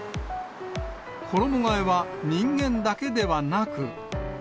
衣がえは人間だけではなく。